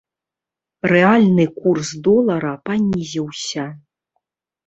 Рэальны курс долара панізіўся.